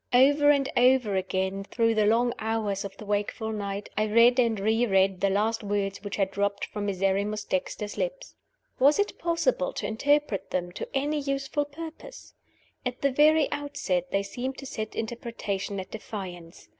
Over and over again, through the long hours of the wakeful night, I read and re read the last words which had dropped from Miserrimus Dexter's lips. Was it possible to interpret them to any useful purpose? At the very outset they seemed to set interpretation at defiance.